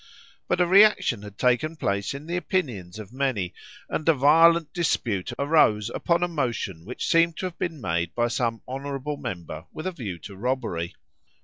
But a reaction had taken place in the opinions of many, and a violent dispute arose upon a motion which seemed to have been made by some honourable member with a view to robbery.